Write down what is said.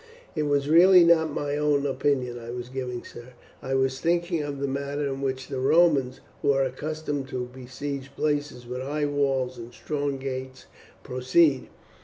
"It was really not my own opinion I was giving, sir. I was thinking of the manner in which the Romans, who are accustomed to besiege places with high walls and strong gates, proceed.